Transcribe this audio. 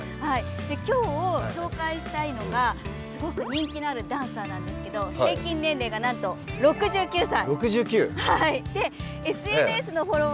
今日、紹介したいのがすごく人気のあるダンサーなんですけど平均年齢が、なんと６９歳！